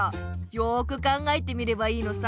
よく考えてみればいいのさ。